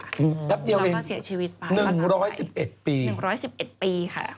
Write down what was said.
ครับเดียวเอง๑๑๑ปีค่ะแล้วเราก็เสียชีวิตไป